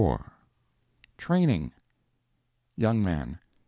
IV Training Young Man.